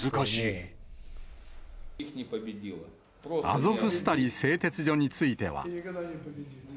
アゾフスタリ製鉄所については。